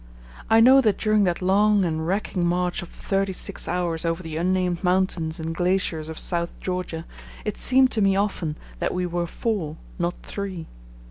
I know that during that long and racking march of thirty six hours over the unnamed mountains and glaciers of South Georgia it seemed to me often that we were four, not three.